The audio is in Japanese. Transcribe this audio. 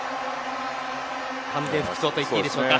完全復調といっていいでしょうか。